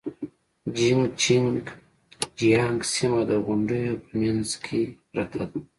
جين چنګ جيانګ سيمه د غونډيو په منځ کې پرته ده.